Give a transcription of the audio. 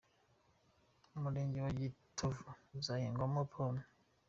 Umurenge wa Gitovu uzahingwamo Pome